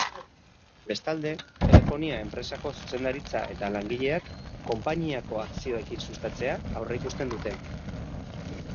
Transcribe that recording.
Bestalde, telefonia enpresako zuzendaritza eta langileak konpainiako akzioekin sustatzea aurreikusten dute.